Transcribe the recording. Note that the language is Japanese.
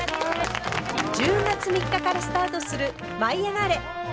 １０月３日からスタートする「舞いあがれ！」。